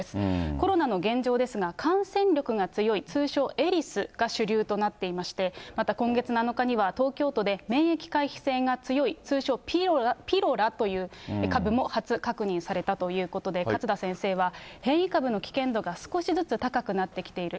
コロナの現状ですが、感染力が強い通称エリスが主流となっていまして、また今月７日には東京都で、免疫回避性が強い、通称ピロラという株も確認されたということで、勝田先生は、変異株の危険度が少しずつ高くなってきている。